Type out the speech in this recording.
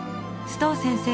須藤先生！